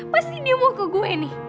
pasti new mau ke gue nih